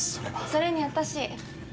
それに私